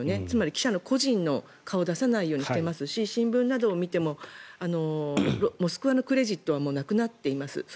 つまり、記者の個人の顔を出さないようにしていますし新聞などを見てもモスクワのクレジットはなくなっています。